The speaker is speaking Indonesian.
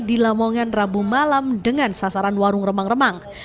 di lamongan rabu malam dengan sasaran warung remang remang